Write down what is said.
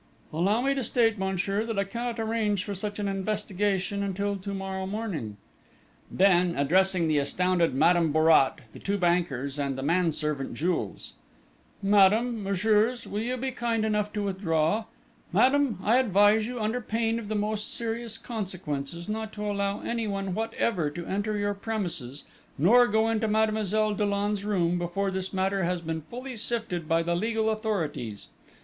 "Allow me to state, monsieur, that I cannot arrange for such an investigation until to morrow morning!" Then, addressing the astounded Madame Bourrat, the two bankers, and the manservant, Jules. "Madame, messieurs, will you be kind enough to withdraw? Madame, I advise you, under pain of the most serious consequences, not to allow anyone whatever to enter your premises, nor go into Mademoiselle Dollon's room, before this matter has been fully sifted by the legal authorities.